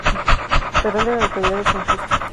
Perón de la localidad de San Justo.